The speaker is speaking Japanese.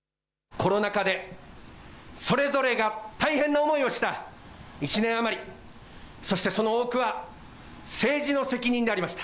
コロナ渦で、それぞれが大変な思いをした１年余り、そしてその多くは政治の責任でありました。